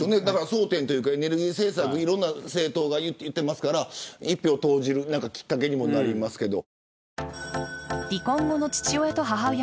争点というかエネルギー政策といろんな政党が言っていますから一票を投じるきっかけにもなりますけど。